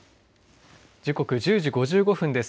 時刻、１０時５５分です。